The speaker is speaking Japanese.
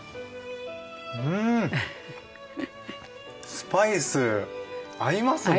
スパイス合いますね。